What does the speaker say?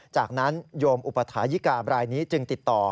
จากนั้นโยมอุปถายิกาบรายนี้จึงติดต่อ